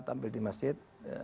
tampil di masjid